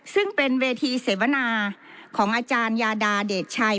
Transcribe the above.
ซึ่งเป็นเวทีเสวนาของอาจารยาดาเดชชัย